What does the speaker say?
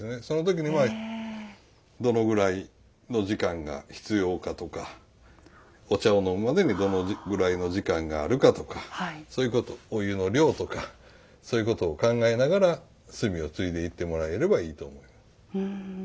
その時にどのぐらいの時間が必要かとかお茶を飲むまでにどのぐらいの時間があるかとかそういうことお湯の量とかそういうことを考えながら炭をついでいってもらえればいいと。